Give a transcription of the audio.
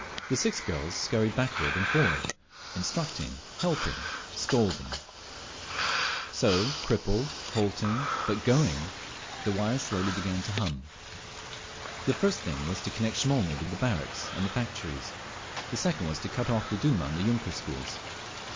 The six girls scurried backward and forward, instructing, helping, scolding…. So, crippled, halting, but going, the wires slowly began to hum. The first thing was to connect Smolny with the barracks and the factories; the second, to cut off the Duma and the yunker schools….